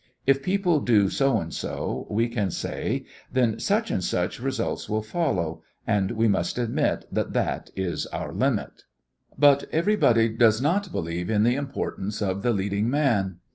If people do so and so, we can say, then such and such results will follow, and we must admit that that is our limit. But everybody does not believe in the importance of the leading man.